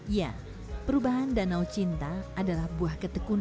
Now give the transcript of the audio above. ya perubahan danau cinta adalah buah ketekunan